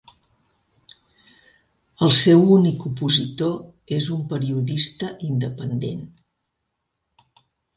El seu únic opositor és un periodista independent.